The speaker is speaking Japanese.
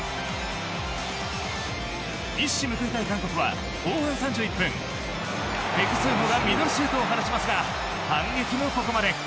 一矢報いたい韓国は後半３１分ペク・スンホがミドルシュートを放ちますが反撃もここまで。